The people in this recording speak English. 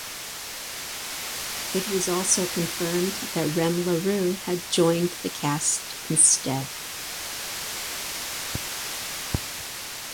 It was also confirmed that Rem Larue Had joined the cast instead.